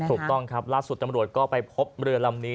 ถูกต้องครับล่าสุดตำรวจก็ไปพบเรือลำนี้